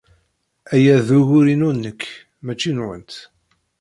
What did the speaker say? Aya d ugur-inu nekk, maci nwent.